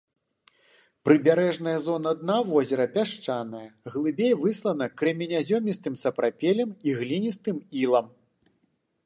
Прыбярэжная зона дна возера пясчаная, глыбей выслана крэменязёмістым сапрапелем і гліністым ілам.